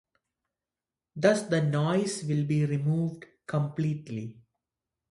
Thus the noise will be removed completely.